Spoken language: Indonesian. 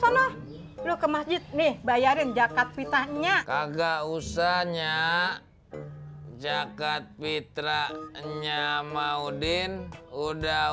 sama lu ke masjid nih bayarin jakat fitrahnya kagak usahnya jakat fitrah nyamah udin udah